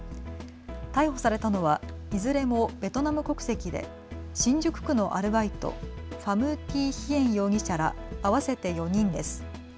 逮捕されたのはいずれもベトナム国籍で新宿区のアルバイト、ファム・ティ・ヒエン容疑者ら合わせて４人です。